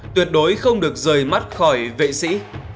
tuyệt đối không được rời mắt khỏi vệ sĩ